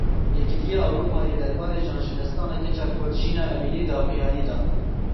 Yekîtiya Ewropayê derbarê canjidestdana keça Kurd Jîna Emînî daxuyanî da.